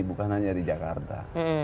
bukan hanya di jakarta